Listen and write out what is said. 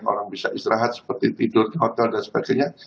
orang bisa istirahat seperti tidur di hotel dan sebagainya